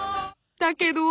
［だけど］